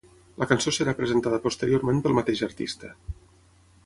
La cançó serà presentada posteriorment pel mateix artista.